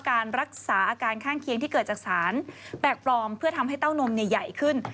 การรักษาอาการข้างเคียงที่เกิดจากสารแปลกปลอมเพื่อทำให้เต้านมใหญ่ขึ้น